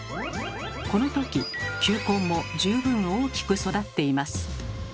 このとき球根も十分大きく育っています。